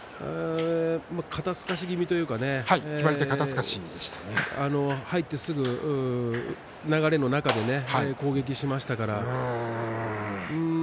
肩すかし気味といいますかね入ってすぐ流れの中で攻撃しましたから。